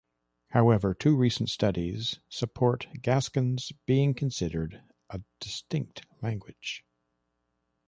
However, two recent studies support Gascon's being considered a distinct language.